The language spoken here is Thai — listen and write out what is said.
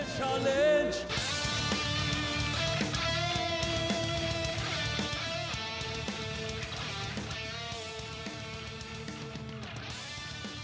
ช่วยด้วยครับ